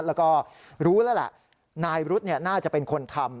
แล้วก็รู้แล้วแหละนายฤทธิ์เนี่ยน่าจะเป็นคนทำ